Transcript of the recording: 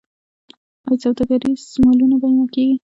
آیا سوداګریز مالونه بیمه کیږي؟